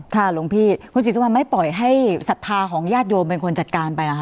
ค่ะหลวงพี่คุณศิษฐภัณฑ์ไม่ปล่อยให้สัทธาของญาติโยมเป็นคนจัดการไปล่ะครับ